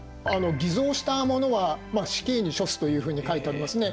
「偽造した者は死刑に処す」というふうに書いてありますね。